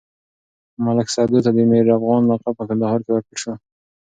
ملک سدو ته د ميرافغانه لقب په کندهار کې ورکړل شو.